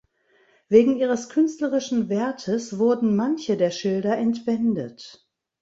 Wegen ihres künstlerischen Wertes wurden manche der Schilder entwendet.